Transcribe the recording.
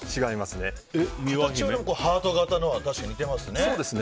形はハート形なのは似てますね。